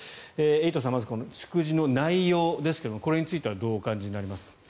エイトさんまず祝辞の内容ですがこれについてはどうお感じになりますか？